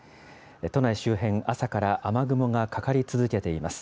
都内周辺、朝から雨雲がかかり続けています。